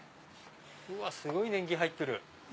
すごい年季入ってる。